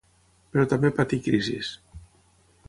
Però també patí crisis.